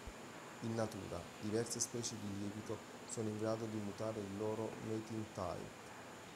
In natura, diverse specie di lievito sono in grado di mutare il loro "mating-type".